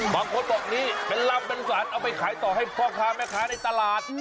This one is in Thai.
บางคนบอกนี่เป็นลำเป็นสารเอาไปขายต่อให้พ่อค้าแม่ค้าในตลาด